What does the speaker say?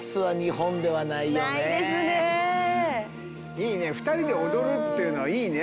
いいね２人で踊るっていうのはいいね。